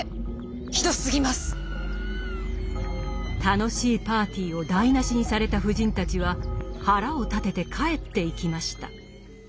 楽しいパーティーを台なしにされた夫人たちは腹を立てて帰っていきました。